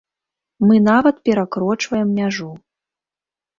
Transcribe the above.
Мы нават перакрочваем мяжу.